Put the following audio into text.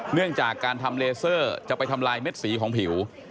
เนื่องจากการทำเลเซอร์จะไปทำลายเม็ดสีของผิว